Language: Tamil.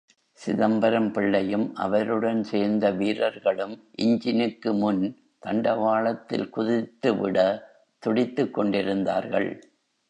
சிதம்பரம் பிள்ளையும் அவருடன் சேர்ந்த வீரர்களும் இஞ்சினுக்கு முன் தண்டவாளத்தில் குதித்து விட துடித்துக் கொண்டிருந்தார்கள்.